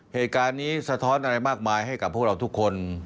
เหตุการณ์นี้สะท้อนอะไรมากมายให้กับพวกเราทุกคน